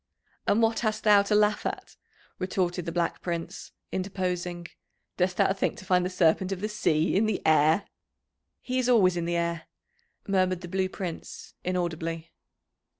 "And what hast thou to laugh at?" retorted the Black Prince, interposing. "Dost thou think to find the Serpent of the Sea in the air?" "He is always in the air," murmured the Blue Prince, inaudibly.